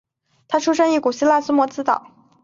他生于古希腊萨摩斯岛。